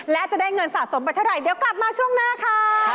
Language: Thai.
และจะได้เงินสะสมไปเท่าไหร่เดี๋ยวกลับมาช่วงหน้าค่ะ